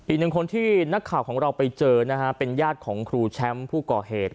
อีกหนึ่งคนที่นักข่าวของเราไปเจอนะฮะเป็นญาติของครูแชมป์ผู้ก่อเหตุ